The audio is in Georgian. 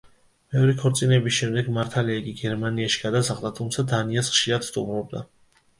მეორე ქორწინების შემდეგ მართალია იგი გერმანიაში გადასახლდა, თუმცა დანიას ხშირად სტუმრობდა.